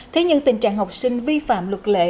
thế nhưng tình trạng học sinh vi phạm luật lệ